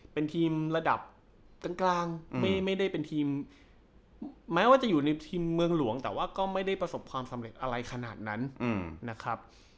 เป็นทีมระดับกลางไม่ได้เป็นทีมแม้ว่าจะอยู่ในทีมเมืองหลวงแต่ว่าก็ไม่ได้ประสบความสำเร็จอะไรขนาดนั้นนะครับ